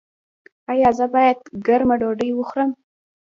ایا زه باید ګرمه ډوډۍ وخورم؟